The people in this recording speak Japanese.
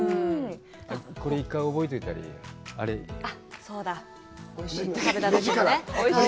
これ１回覚えておいたらいいよ。